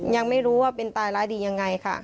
ยังไม่รู้ว่าเป็นตายร้ายดียังไงค่ะ